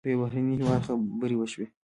په یو بهرني هېواد خبرې وشوې.